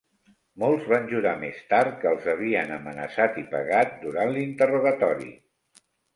Molts van jurar més tard que els havien amenaçat i pegat durant l'interrogatori.